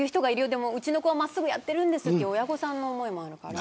でも、うちの子は真っすぐやっているんですという親御さんの思いもあるから。